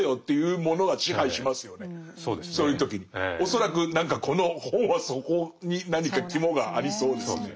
恐らく何かこの本はそこに何か肝がありそうですね。